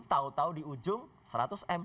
tau tau di ujung seratus m